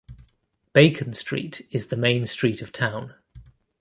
Bacon Street is the main street of town.